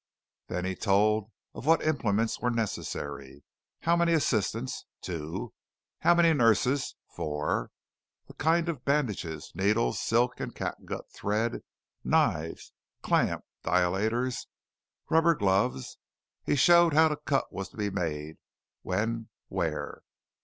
Then he told of what implements were necessary, how many assistants (two), how many nurses (four), the kinds of bandages, needles, silk and catgut thread, knives, clamp dilators, rubber gloves. He showed how the cut was to be made when, where.